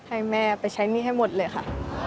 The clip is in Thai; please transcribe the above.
ให้แม่ไปใช้หนี้ให้หมดเลยค่ะ